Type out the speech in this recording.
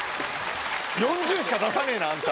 ４０しか出さねぇなあんた。